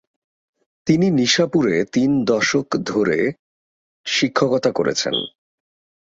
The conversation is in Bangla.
তিনি নিশাপুরে তিন দশক ধরে শিক্ষকতা করেছেন।